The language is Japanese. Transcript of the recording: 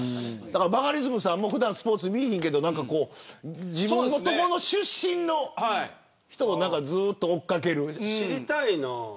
バカリズムさんも普段スポーツ見いひんけど自分の所の出身の人をずっと追いかける。